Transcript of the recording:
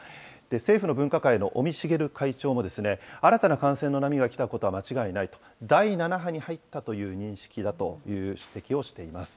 政府の分科会の尾身茂会長も、新たな感染の波が来たことは間違いないと、第７波に入ったという認識だという指摘をしています。